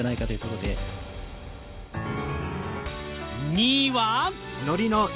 ２位は？